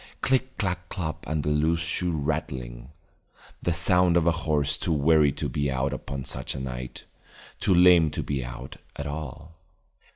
Click clack clop and a loose shoe rattling, the sound of a horse too weary to be out upon such a night, too lame to be out at all.